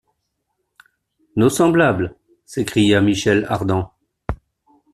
Nos semblables! s’écria Michel Ardan.